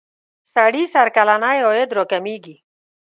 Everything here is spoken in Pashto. سړي سر کلنی عاید را کمیږی.